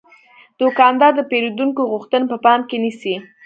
دوکاندار د پیرودونکو غوښتنې په پام کې نیسي.